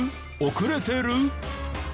遅れてる？